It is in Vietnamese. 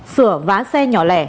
sửa vá xe nhỏ lẻ